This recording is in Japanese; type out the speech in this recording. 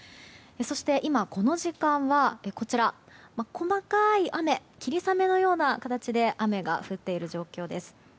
そして、今この時間は細かい雨霧雨のような形で雨が降っている状況です。